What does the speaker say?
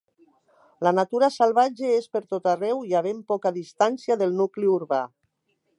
La natura salvatge és per tot arreu i a ben poca distància del nucli urbà.